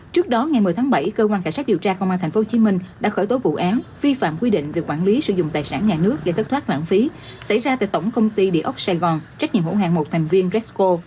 trước đó ngày một mươi tháng bảy cơ quan cảnh sát điều tra công an tp hcm đã khởi tố vụ án vi phạm quy định về quản lý sử dụng tài sản nhà nước gây thất thoát lãng phí xảy ra tại tổng công ty địa ốc sài gòn trách nhiệm hữu hàng một thành viên resco